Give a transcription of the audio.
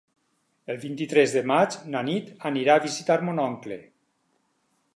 El vint-i-tres de maig na Nit anirà a visitar mon oncle.